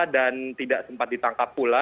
dan tidak sempat ditangkap pula